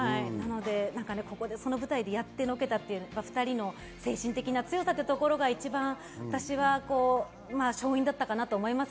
その舞台でやってのけた２人の精神的な強さってところが一番私が勝因だったかなと思います。